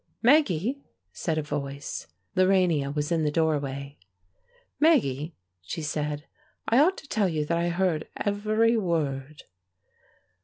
"Maggie," said a voice. Lorania was in the doorway. "Maggie," she said, "I ought to tell you that I heard every word."